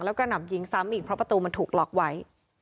แล้วก็หนำยิงซ้ำอีกเพราะประตูมันถูกล็อกไว้